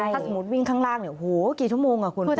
ถ้าสมมติวิ่งข้างล่างหูกี่ชั่วโมงอ่ะคุณคุณฮะ